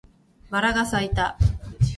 バラが咲いた